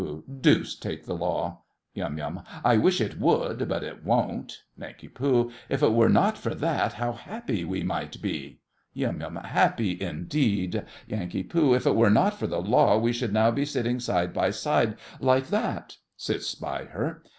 Deuce take the law! YUM. I wish it would, but it won't! NANK. If it were not for that, how happy we might be! YUM. Happy indeed! NANK. If it were not for the law, we should now be sitting side by side, like that. (Sits by her.)